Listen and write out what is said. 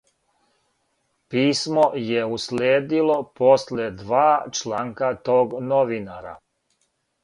Писмо је уследило после два чланка тог новинара.